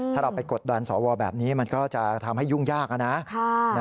ถ้าเราไปกดดันสวแบบนี้มันก็จะทำให้ยุ่งยากนะ